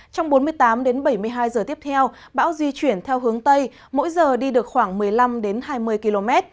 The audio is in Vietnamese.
trong bốn mươi tám đến bảy mươi hai giờ tiếp theo bão di chuyển theo hướng tây mỗi giờ đi được khoảng một mươi năm hai mươi km